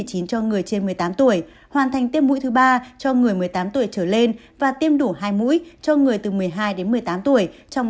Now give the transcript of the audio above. cho người trên một mươi tám tuổi hoàn thành tiêm mũi thứ ba cho người một mươi tám tuổi trở lên và tiêm đủ hai mũi cho người từ một mươi hai đến một mươi tám tuổi trong